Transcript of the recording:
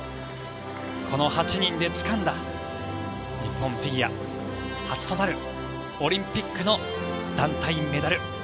この８人でつかんだ日本フィギュア初となるオリンピックの団体メダル。